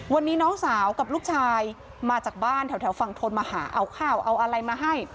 วันนี้น้องสาวกับลูกชายมาจากบ้านแถวฝั่งทนมาหาเอาข้าวเอาอะไรมาให้